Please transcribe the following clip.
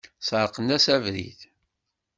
Sεerqen-as abrid.